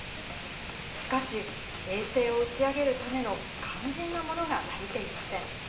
しかし、衛星を打ち上げるための肝心なものが足りていません。